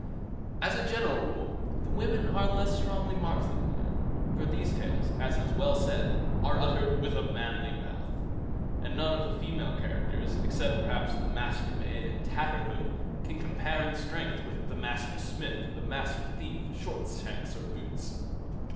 As a general rule, the women are less strongly marked than the men; for these tales, as is well said, are uttered "with a manly mouth"; and none of the female characters, except perhaps "The Mastermaid", and "Tatterhood", can compare in strength with "The Master Smith", "The Master Thief," "Shortshanks" or "Boots".